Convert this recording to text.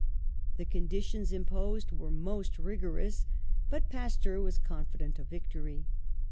The conditions imposed were most rigorous, but Pasteur was confident of victory.